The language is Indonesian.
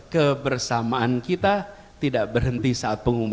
kebersamaan kita tidak berhenti saat pengumuman